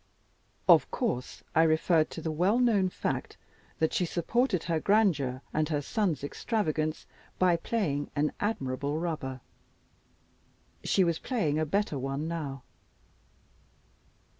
Of course I referred to the well known fact, that she supported her grandeur and her son's extravagance by playing an admirable rubber. She was playing a better one now.